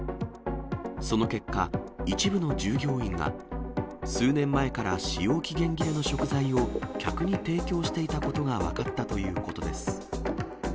その結果、一部の従業員が、数年前から使用期限切れの食材を客に提供していたことが分かったということです。